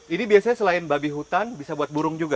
ini biasanya selain babi hutan bisa buat burung juga